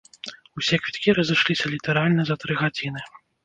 Усе квіткі разышліся літаральна за тры гадзіны.